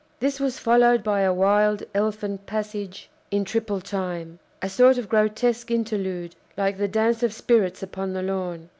This was followed by a wild, elfin passage in triple time a sort of grotesque interlude, like the dance of spirits upon the lawn.